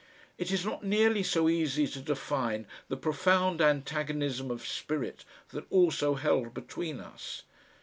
It is not nearly so easy to define the profound antagonism of spirit that also held between us.